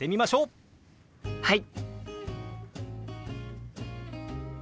はい！